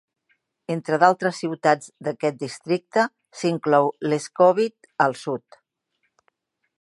Entre d'altres ciutats d'aquest districte s'inclou Leskovik al sud.